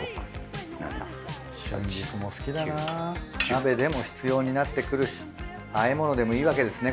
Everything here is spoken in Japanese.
鍋でも必要になってくるしあえ物でもいいわけですね